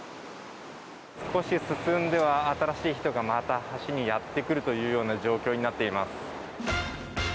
少し進んでは新しい人がまた橋にやってくるという状況になっています。